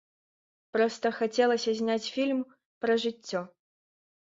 Проста хацелася зняць фільм пра жыццё.